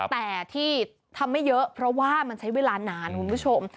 แต่ที่ทำไม่เยอะเพราะว่ามันใช้เวลานานคุณผู้ชม